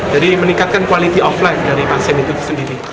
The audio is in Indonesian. jadi meningkatkan kualitas hidup dari pasien itu sendiri